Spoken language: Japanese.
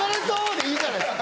でいいじゃないですか。